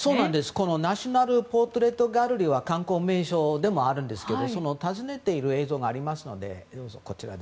このナショナル・ポートレート・ギャラリーは観光名所でもあるんですが訪ねている映像があります。